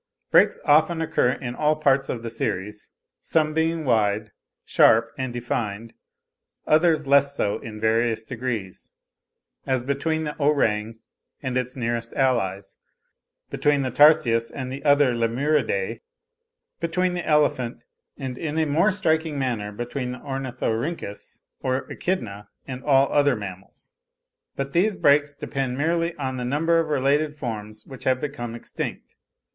Breaks often occur in all parts of the series, some being wide, sharp and defined, others less so in various degrees; as between the orang and its nearest allies—between the Tarsius and the other Lemuridae—between the elephant, and in a more striking manner between the Ornithorhynchus or Echidna, and all other mammals. But these breaks depend merely on the number of related forms which have become extinct.